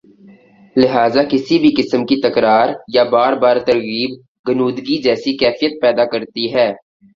لہذا کسی بھی قسم کی تکرار یا بار بار ترغیب غنودگی جیسی کیفیت پیدا کرتی ہے